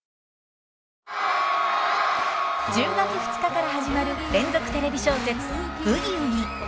１０月２日から始まる連続テレビ小説「ブギウギ」。